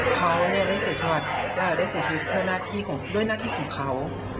เขาได้เสียชีวิตเพื่อหน้าที่ของเขา